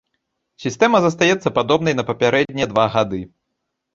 Сістэма застаецца падобнай на папярэднія два гады.